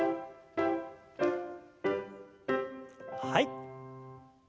はい。